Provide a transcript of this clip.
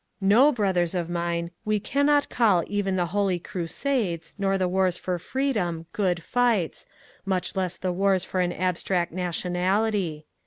No, brothers of mine, we cannot call even the holy crusades nor the wars for freedom '^ good fights," much less the wars for an abstract nationality.